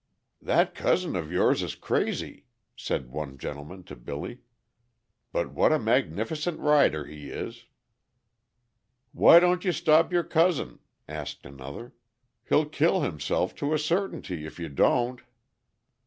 "That cousin of yours is crazy," said one gentleman to Billy; "but what a magnificent rider he is." "Why don't you stop your cousin?" asked another, "he'll kill himself, to a certainty, if you don't."